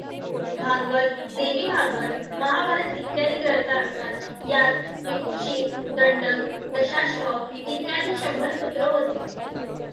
भागवत, देवी भागवत, महाभारत इत्यादी ग्रंथांनुसार यास विकुक्षी, दण्डक, दशाश्व इत्यादी शंभर पुत्र होते.